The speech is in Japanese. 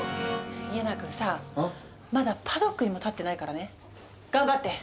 家長くんさあまだパドックにも立ってないからね頑張って。